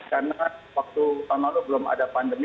karena waktu tahun lalu belum ada pandemi